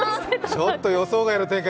ちょっと予想外の展開